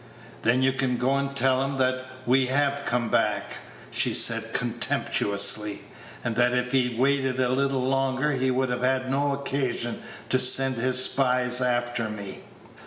"Then you can go and tell him that we have come back," she said contemptuously, "and that if he'd waited a little longer, he would have had no occasion to send his spies after me."